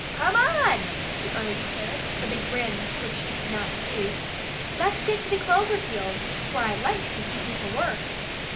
"Come on!" he urged her with a grin which she could not see. "Let's get to the clover field, for I like to see people work."